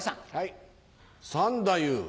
三太夫